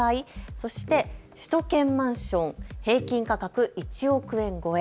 そして首都圏マンション平均価格１億円超え。